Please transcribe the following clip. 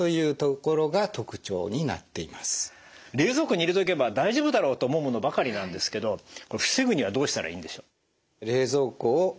冷蔵庫に入れとけば大丈夫だろうって思うものばかりなんですけど防ぐにはどうしたらいいんでしょう？